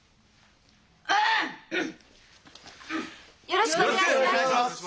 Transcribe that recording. よろしくお願いします！